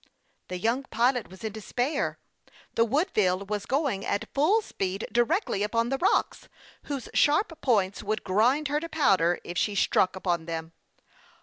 The young pilot was in despair. The Woodville was going at full speed directly upon the rocks, whose sharp points would grind her to powder if she struck upon them.